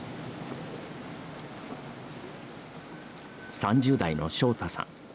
３０代のショウタさん。